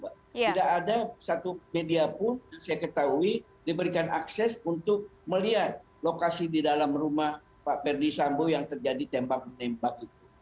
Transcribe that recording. tidak ada satu media pun yang saya ketahui diberikan akses untuk melihat lokasi di dalam rumah pak ferdi sambo yang terjadi tembak menembak itu